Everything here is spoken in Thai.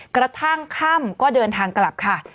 กระทั่งค่ำก็เดินทางกลับค่ะ